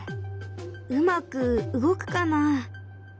うまく動くかな。